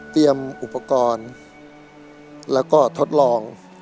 เตรียมอุปกรณ์แล้วก็ทดลอง